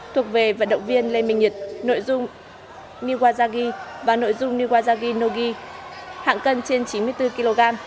thuộc về vận động viên lê minh nhật nội dung niwazagi